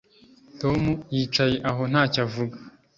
Tom yicaye aho ntacyo avuga